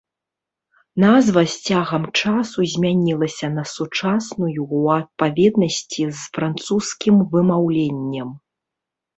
Назва з цягам часу змянілася на сучасную ў адпаведнасці з французскім вымаўленнем.